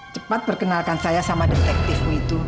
cepat perkenalkan saya sama detektifmu itu